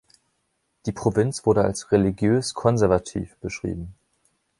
Die Provinz wurde als „religiös konservativ“ beschrieben.